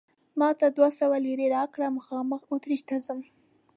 ما ته دوه سوه لیرې راکړه، مخامخ اتریش ته ځم.